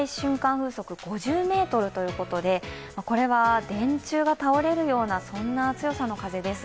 風速５０メートルということで、これは電柱が倒れるような強さの風です。